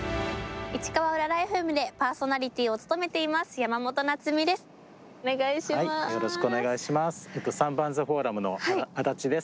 市川うららＦＭでパーソナリティーを務めています山本菜摘です。